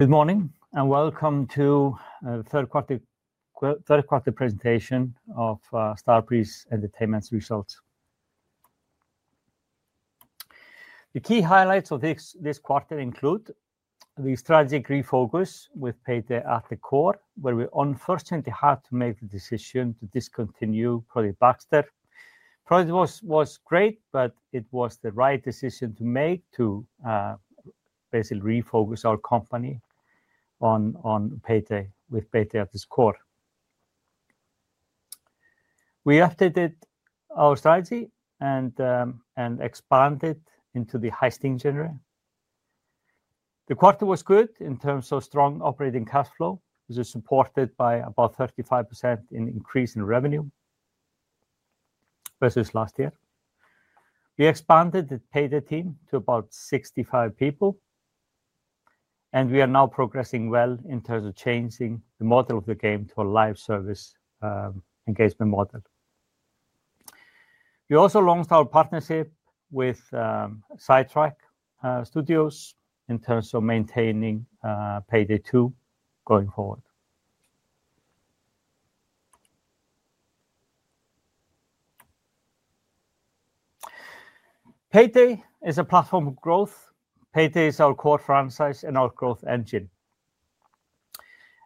Good morning, and welcome to the third quarter presentation of Starbreeze Entertainment's results. The key highlights of this quarter include the strategic refocus with PAYDAY at the core, where we unfortunately had to make the decision to discontinue Project Baxter. Project was great, but it was the right decision to make to basically refocus our company on PAYDAY with PAYDAY at its core. We updated our strategy and expanded into the highest engineering. The quarter was good in terms of strong operating cash flow, which is supported by about 35% increase in revenue versus last year. We expanded the PAYDAY team to about 65 people, and we are now progressing well in terms of changing the model of the game to a live service engagement model. We also launched our partnership with Sidetrack Studios in terms of maintaining PAYDAY 2 going forward. PAYDAY is a platform of growth. PAYDAY is our core franchise and our growth engine.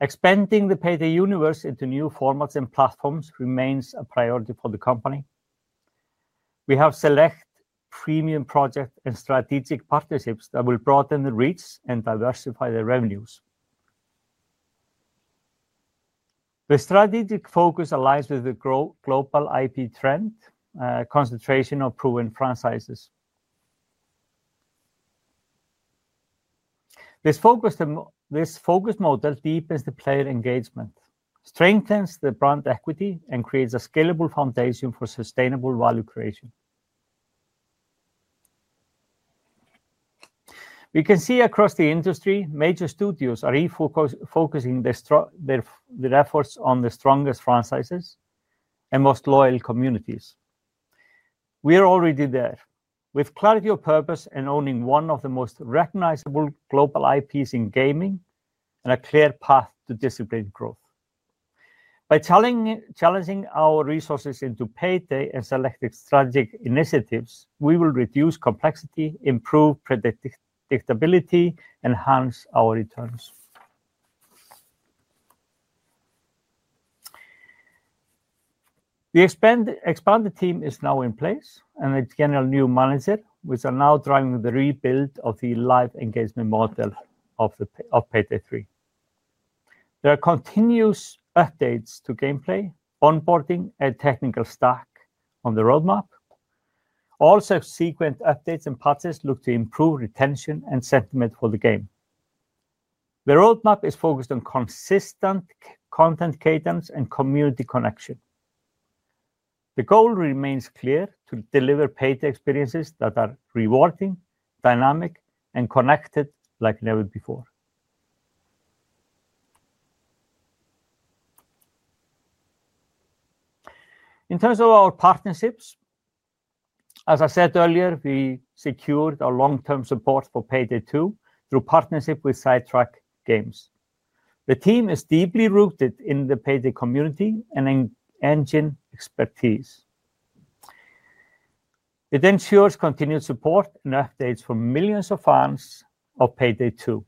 Expanding the PAYDAY universe into new formats and platforms remains a priority for the company. We have select premium projects and strategic partnerships that will broaden the reach and diversify the revenues. The strategic focus aligns with the global IP trend, concentration of proven franchises. This focus model deepens the player engagement, strengthens the brand equity, and creates a scalable foundation for sustainable value creation. We can see across the industry, major studios are focusing their efforts on the strongest franchises and most loyal communities. We are already there, with clarity of purpose and owning one of the most recognizable global IPs in gaming and a clear path to disciplined growth. By challenging our resources into PAYDAY and selecting strategic initiatives, we will reduce complexity, improve predictability, and enhance our returns. The expanded team is now in place, and a general new manager is now driving the rebuild of the live engagement model of PAYDAY 3. There are continuous updates to gameplay, onboarding, and technical stack on the roadmap. Also, frequent updates and patches look to improve retention and sentiment for the game. The roadmap is focused on consistent content cadence and community connection. The goal remains clear: to deliver PAYDAY experiences that are rewarding, dynamic, and connected like never before. In terms of our partnerships, as I said earlier, we secured our long-term support for PAYDAY 2 through partnership with Sidetrack Studios. The team is deeply rooted in the PAYDAY community and engine expertise. It ensures continued support and updates for millions of fans of PAYDAY 2.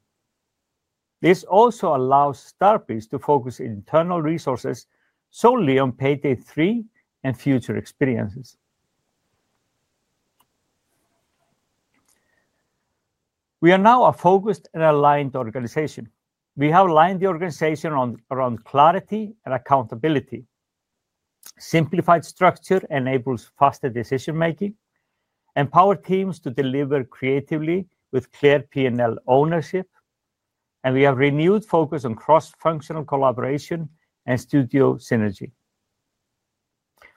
This also allows Starbreeze to focus internal resources solely on PAYDAY 3 and future experiences. We are now a focused and aligned organization. We have aligned the organization around clarity and accountability. Simplified structure enables faster decision-making, empowers teams to deliver creatively with clear P&L ownership, and we have renewed focus on cross-functional collaboration and studio synergy.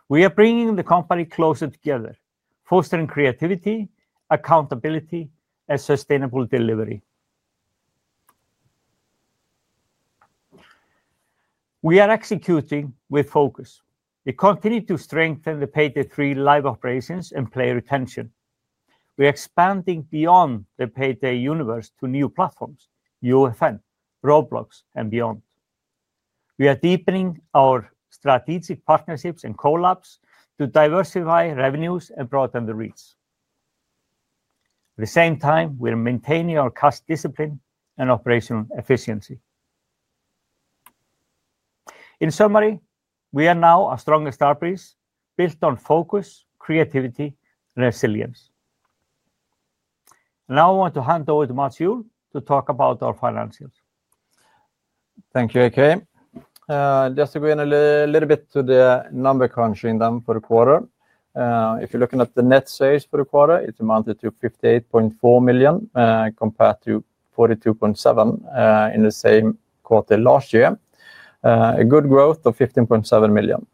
We are bringing the company closer together, fostering creativity, accountability, and sustainable delivery. We are executing with focus. We continue to strengthen the PAYDAY 3 live operations and player retention. We are expanding beyond the PAYDAY universe to new platforms, UEFN, Roblox, and beyond. We are deepening our strategic partnerships and collabs to diversify revenues and broaden the reach. At the same time, we are maintaining our custom discipline and operational efficiency. In summary, we are now a stronger Starbreeze built on focus, creativity, and resilience. Now I want to hand over to Mats Juhl to talk about our financials. Thank you, AK. Just to go in a little bit to the number crunching done for the quarter. If you're looking at the net sales for the quarter, it amounted to 58.4 million compared to 42.7 million in the same quarter last year. A good growth of 15.7 million.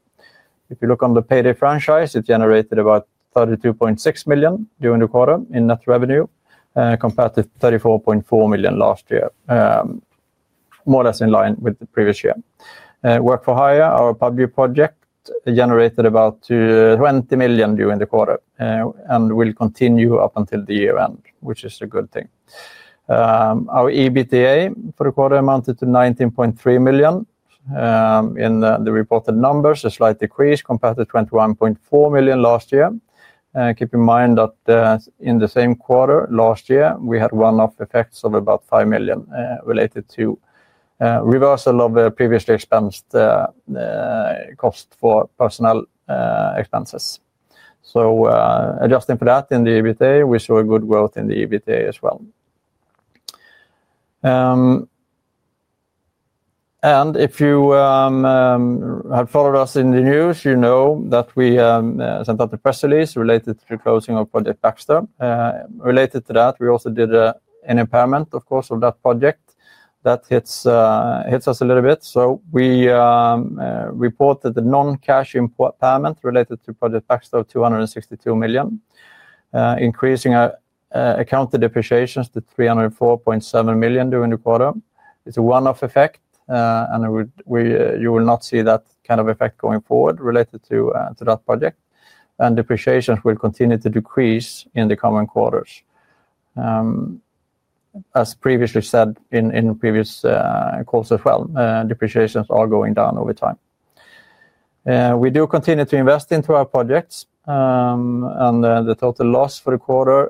If you look on the PAYDAY franchise, it generated about 32.6 million during the quarter in net revenue compared to 34.4 million last year, more or less in line with the previous year. Work for Hire, our public project, generated about 20 million during the quarter and will continue up until the year end, which is a good thing. Our EBITDA for the quarter amounted to 19.3 million in the reported numbers, a slight decrease compared to 21.4 million last year. Keep in mind that in the same quarter last year, we had one-off effects of about 5 million related to reversal of previously expensed costs for personnel expenses. Adjusting for that in the EBITDA, we saw a good growth in the EBITDA as well. If you have followed us in the news, you know that we sent out a press release related to the closing of Project Baxter. Related to that, we also did an impairment, of course, of that project that hits us a little bit. We reported the non-cash impairment related to Project Baxter of 262 million, increasing accounted depreciations to 304.7 million during the quarter. It is a one-off effect, and you will not see that kind of effect going forward related to that project. Depreciations will continue to decrease in the coming quarters. As previously said in previous calls as well, depreciations are going down over time. We do continue to invest into our projects, and the total loss for the quarter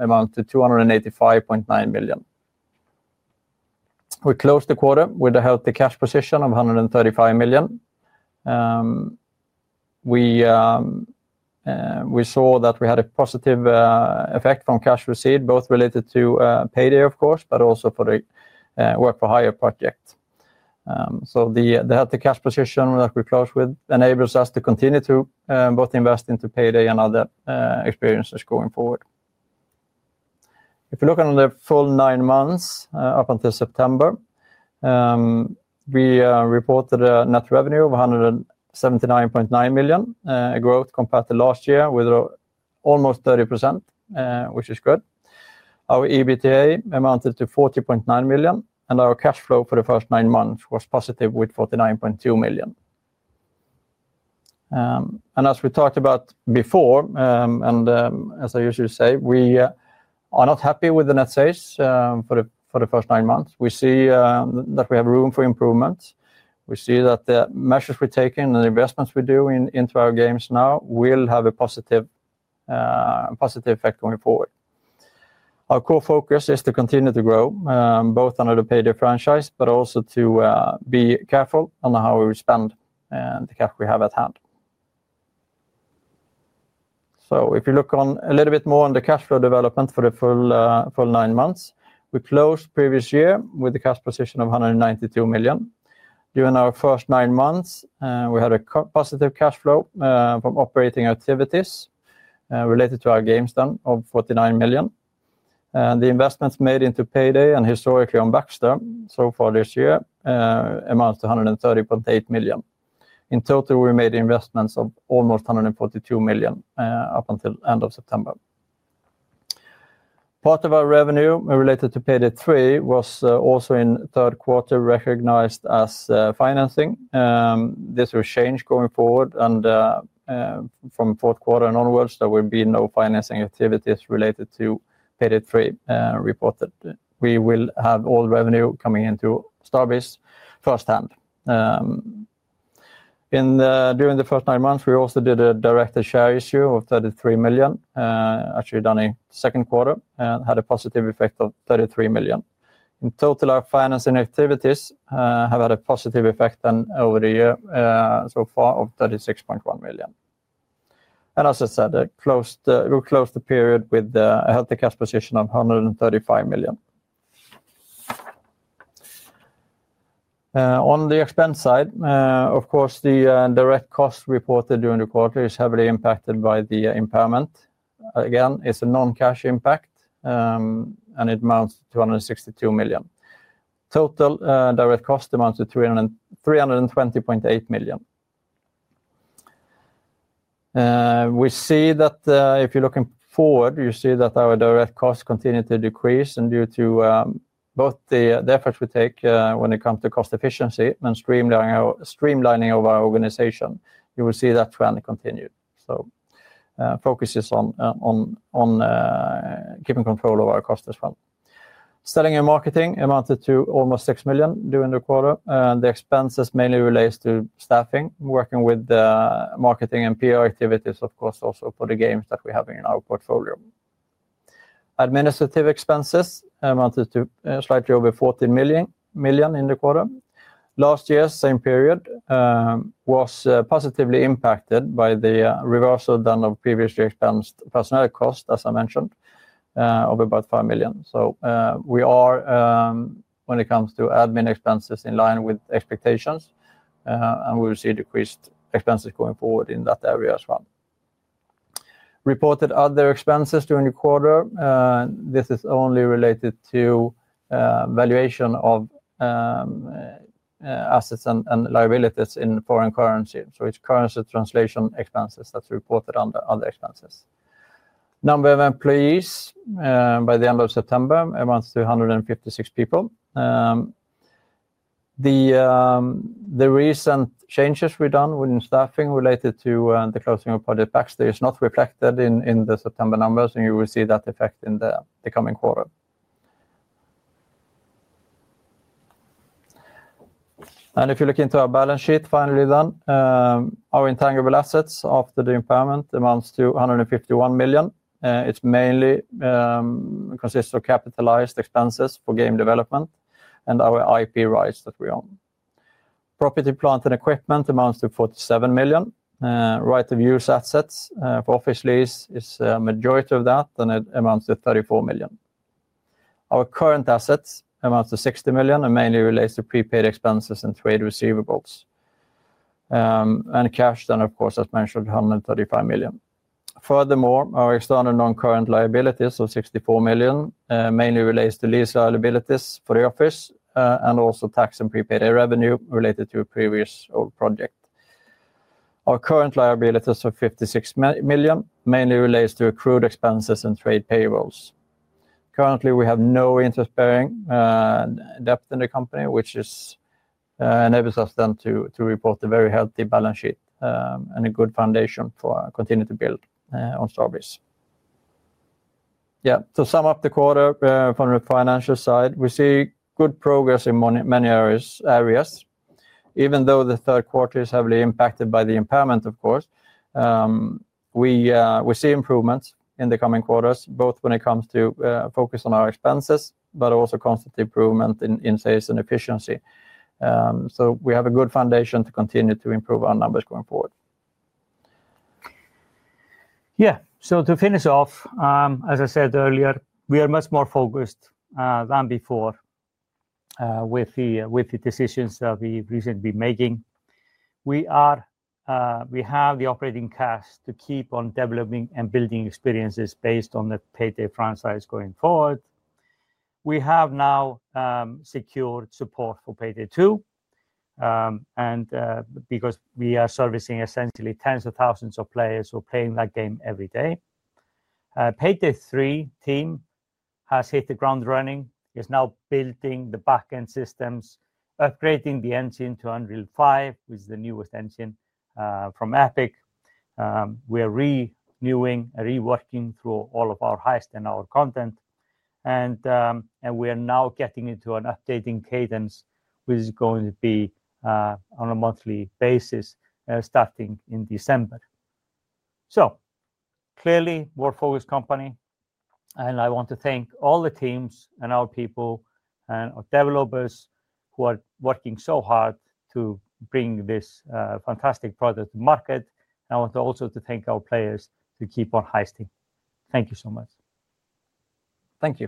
amounted to 285.9 million. We closed the quarter with a healthy cash position of 135 million. We saw that we had a positive effect from cash receipt, both related to PAYDAY, of course, but also for the Work for Hire project. The healthy cash position that we closed with enables us to continue to both invest into PAYDAY and other experiences going forward. If you're looking on the full nine months up until September, we reported a net revenue of 179.9 million, a growth compared to last year with almost 30%, which is good. Our EBITDA amounted to 40.9 million, and our cash flow for the first nine months was positive with 49.2 million. As we talked about before, and as I usually say, we are not happy with the net sales for the first nine months. We see that we have room for improvement. We see that the measures we are taking and the investments we are doing into our games now will have a positive effect going forward. Our core focus is to continue to grow both under the PAYDAY franchise, but also to be careful on how we spend the cash we have at hand. If you look a little bit more on the cash flow development for the full nine months, we closed the previous year with a cash position of 192 million. During our first nine months, we had a positive cash flow from operating activities related to our games done of 49 million. The investments made into PAYDAY and historically on Baxter, so far this year, amount to 130.8 million. In total, we made investments of almost 142 million up until the end of September. Part of our revenue related to PAYDAY 3 was also in third quarter recognized as financing. This will change going forward, and from fourth quarter onwards, there will be no financing activities related to PAYDAY 3 reported. We will have all revenue coming into Starbreeze firsthand. During the first nine months, we also did a direct share issue of 33 million, actually done in the second quarter, and had a positive effect of 33 million. In total, our financing activities have had a positive effect over the year so far of 36.1 million. As I said, we closed the period with a healthy cash position of 135 million. On the expense side, of course, the direct cost reported during the quarter is heavily impacted by the impairment. Again, it's a non-cash impact, and it amounts to 262 million. Total direct cost amounts to 320.8 million. We see that if you're looking forward, you see that our direct costs continue to decrease, and due to both the efforts we take when it comes to cost efficiency and streamlining of our organization, you will see that trend continue. Focus is on keeping control of our cost as well. Selling and marketing amounted to almost 6 million during the quarter, and the expenses mainly relate to staffing, working with marketing and PR activities, of course, also for the games that we have in our portfolio. Administrative expenses amounted to slightly over 14 million in the quarter. Last year, same period, was positively impacted by the reversal done of previously expensed personnel cost, as I mentioned, of about 5 million. We are, when it comes to admin expenses, in line with expectations, and we will see decreased expenses going forward in that area as well. Reported other expenses during the quarter, this is only related to valuation of assets and liabilities in foreign currency. It is currency translation expenses that are reported under other expenses. Number of employees by the end of September amounts to 156 people. The recent changes we have done within staffing related to the closing of Project Baxter is not reflected in the September numbers, and you will see that effect in the coming quarter. If you look into our balance sheet finally done, our intangible assets after the impairment amounts to 151 million. It mainly consists of capitalized expenses for game development and our IP rights that we own. Property, plant, and equipment amounts to 47 million. Right-of-use assets for office lease is a majority of that, and it amounts to 34 million. Our current assets amounts to 60 million and mainly relates to prepaid expenses and trade receivables. Cash then, of course, as mentioned, 135 million. Furthermore, our external non-current liabilities of 64 million mainly relates to lease liabilities for the office and also tax and prepaid revenue related to a previous old project. Our current liabilities of 56 million mainly relates to accrued expenses and trade payrolls. Currently, we have no interest-bearing debt in the company, which enables us then to report a very healthy balance sheet and a good foundation for continuing to build on Starbreeze. Yeah, to sum up the quarter from the financial side, we see good progress in many areas. Even though the third quarter is heavily impacted by the impairment, of course, we see improvements in the coming quarters, both when it comes to focus on our expenses, but also constant improvement in sales and efficiency. We have a good foundation to continue to improve our numbers going forward. Yeah, to finish off, as I said earlier, we are much more focused than before with the decisions that we've recently been making. We have the operating cash to keep on developing and building experiences based on the PAYDAY franchise going forward. We have now secured support for PAYDAY 2, and because we are servicing essentially tens of thousands of players who are playing that game every day. PAYDAY 3 team has hit the ground running. is now building the back-end systems, upgrading the engine to Unreal 5, which is the newest engine from Epic. We are renewing and reworking through all of our heist and our content. We are now getting into an updating cadence, which is going to be on a monthly basis starting in December. Clearly, more focused company. I want to thank all the teams and our people and our developers who are working so hard to bring this fantastic product to market. I also want to thank our players to keep on heisting. Thank you so much. Thank you.